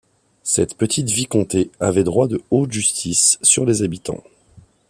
Cette petite vicomté avait droit de haute justice sur les habitants.